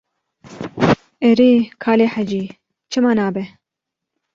Erê, kalê hecî, çima nabe.